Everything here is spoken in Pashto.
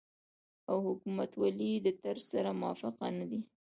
او حکومتولۍ د طرز سره موافق نه دي